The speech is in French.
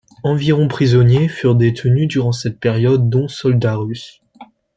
Environ prisonniers furent détenus durant cette période dont soldats russes.